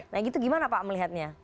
nah gitu gimana pak melihatnya